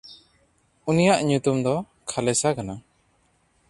ᱩᱱᱤᱭᱟᱜ ᱧᱩᱛᱩᱢ ᱫᱚ ᱠᱷᱟᱞᱮᱥᱟ ᱠᱟᱱᱟ᱾